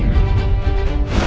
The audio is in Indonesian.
jangan lupa untuk berlangganan